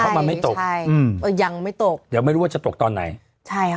เข้ามาไม่ตกอืมยังไม่ตกเดี๋ยวไม่รู้ว่าจะตกตอนไหนใช่ค่ะ